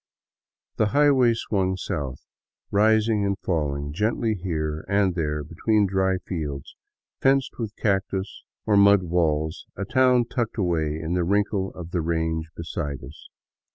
The highway swung south, rising and falling gently here and there between dry fields fenced with cactus or mud walls, a town tucked away in the wrinkle of the range beside us.